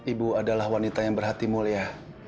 ibu adalah wanita yang berhati mulia